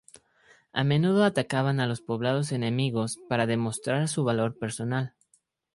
A menudo atacaban a los poblados enemigos para demostrar su valor personal.